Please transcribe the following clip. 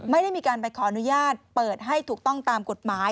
ไม่ได้มีการไปขออนุญาตเปิดให้ถูกต้องตามกฎหมาย